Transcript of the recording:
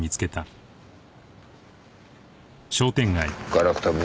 ガラクタ袋